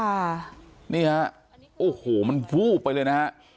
นี่ฮะโอ้โหมันวูบไปเลยนะฮะ